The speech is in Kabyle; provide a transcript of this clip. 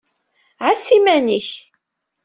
Ɛas iman-ik.